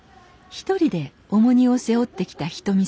一人で重荷を背負ってきたひとみさん。